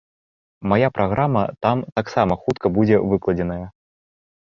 Мая праграма там таксама хутка будзе выкладзеная.